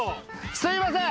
すいません